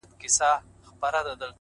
داسي نه كيږي چي اوونـــۍ كې گـــورم ـ